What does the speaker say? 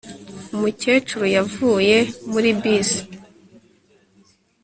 Umukecuru yavuye muri bisi